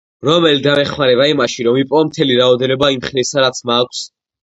რომელი დამეხმარება იმაში, რომ ვიპოვო მთელი რაოდენობა იმ ხილისა რაც მაქვს?